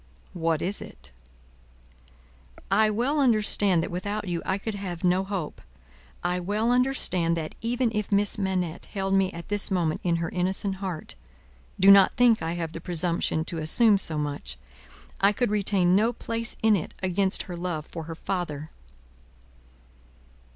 "What is it?" "I well understand that, without you, I could have no hope. I well understand that, even if Miss Manette held me at this moment in her innocent heart do not think I have the presumption to assume so much I could retain no place in it against her love for her father."